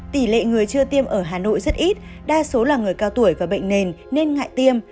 tỷ lệ người chưa tiêm ở hà nội rất ít đa số là người cao tuổi và bệnh nền nên ngại tiêm